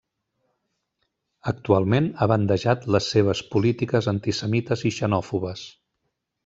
Actualment ha bandejat les seves polítiques antisemites i xenòfobes.